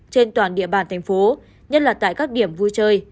trên toàn địa bàn thành phố nhất là tại các điểm vui chơi